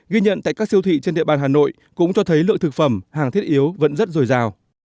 ghi nhận tại các siêu thị trên địa bàn hà nội cũng cho thấy lượng thực phẩm hàng thiết yếu vẫn rất dồi dào